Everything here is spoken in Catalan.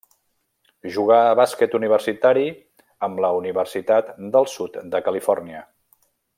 Jugà a bàsquet universitari amb la Universitat del Sud de Califòrnia.